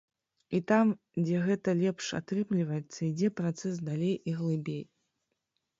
І там, дзе гэта лепш атрымліваецца, ідзе працэс далей і глыбей.